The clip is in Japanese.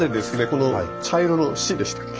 この茶色の「シ」でしたっけ。